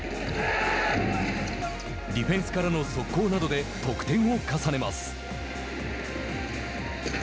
ディフェンスからの速攻などで得点を重ねます。